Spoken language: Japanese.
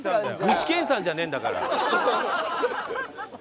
具志堅さんじゃねえんだから。